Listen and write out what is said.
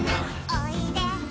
おいで。